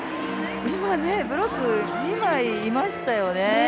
今、ブロック二枚いましたよね。